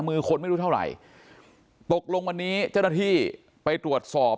มือคนไม่รู้เท่าไหร่ตกลงวันนี้เจ้าหน้าที่ไปตรวจสอบ